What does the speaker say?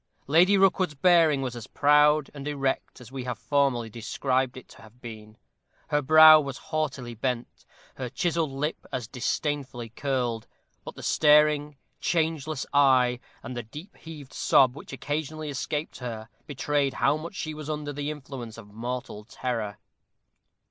Lady Rookwood's bearing was as proud and erect as we have formerly described it to have been her brow was haughtily bent her chiselled lip as disdainfully curled; but the staring, changeless eye, and the deep heaved sob which occasionally escaped her, betrayed how much she was under the influence of mortal terror.